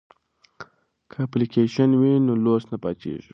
که اپلیکیشن وي نو لوست نه پاتیږي.